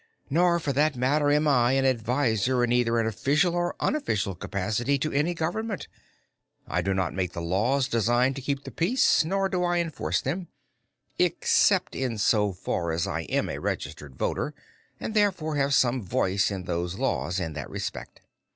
Nor, for that matter, am I an advisor in either an official or unofficial capacity to any government. I do not make the laws designed to keep the peace, nor do I enforce them, except in so far as I am a registered voter and therefore have some voice in those laws in that respect.